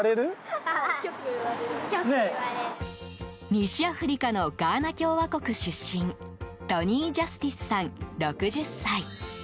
西アフリカのガーナ共和国出身トニー・ジャスティスさん６０歳。